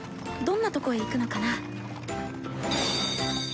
どんなとこへ行くのかな。